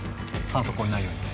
反則行為ないように。